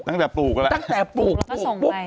ตั้งแต่ปลูกก็แหละปลูกแล้วก็ส่งไปปุ๊บปุ๊บปุ๊บ